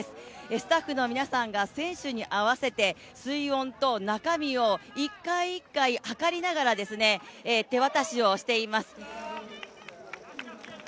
スタッフの皆さんが選手に合わせて水温と中身を一回一回、計りながら手渡しをしています。